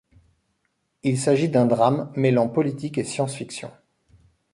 Il s'agit d'un drame mêlant politique et science-fiction.